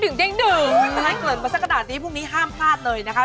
อย่างนั้นเกริ่นมาสักขนาดนี้พรุ่งนี้ห้ามพลาดเลยนะคะ